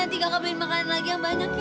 nanti kakak beliin makanan lagi yang banyak ya